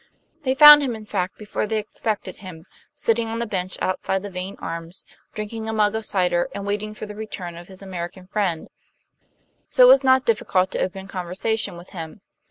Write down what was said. They found him, in fact, before they expected him, sitting on the bench outside the Vane Arms, drinking a mug of cider and waiting for the return of his American friend; so it was not difficult to open conversation with him.